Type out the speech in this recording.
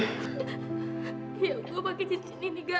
iya aku pake cincin ini kak